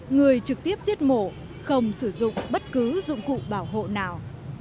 người trực tiếp giết mổ không sử dụng bất cứ dụng cụ bảo hộ nào